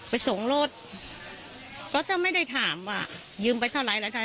ไปส่งรถก็จะไม่ได้ถามว่ายืมไปเท่าไรไม่ได้ถาม